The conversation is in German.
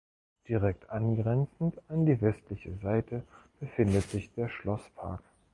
Direkt angrenzend an die westliche Seite befindet sich der Schlosspark.